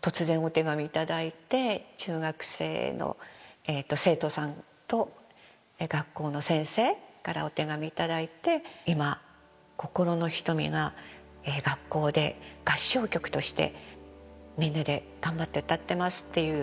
突然お手紙頂いて、中学生の生徒さんと学校の先生からお手紙頂いて、今、心の瞳が学校で合唱曲としてみんなで頑張って歌っていますっていう。